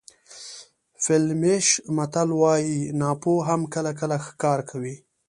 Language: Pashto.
فلیمیش متل وایي ناپوه هم کله کله ښه کار کوي.